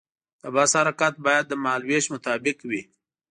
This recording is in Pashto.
د بس حرکت باید د مهال ویش مطابق وي.